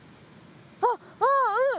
あっうんうん！